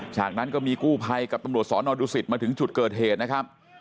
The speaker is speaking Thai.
จากนั้นก็มีกู้ภัยกับตำรวจสอนอดุสิตมาถึงจุดเกิดเหตุนะครับ